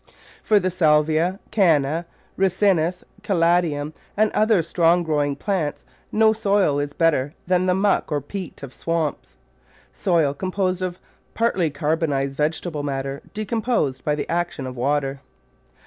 For the Salvia, Canna, Ricinus, Caladium and other strong growing plants no soil is better than the muck or peat of swamps — soil composed of partly carbonised vegetable matter decomposed by the action of water.